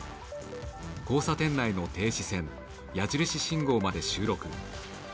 交差点内の停止線矢印信号まで収録。